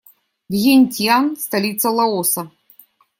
Вьентьян - столица Лаоса.